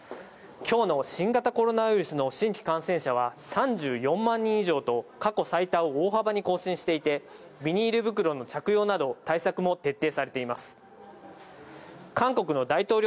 今日の新型コロナウイルスの新規感染者は３４万人以上と過去最多を大幅に更新していて、ビニール手袋の着用など対策を徹底されています。